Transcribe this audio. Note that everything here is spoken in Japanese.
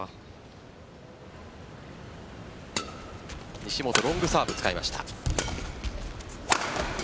西本、ロングサーブを使いました。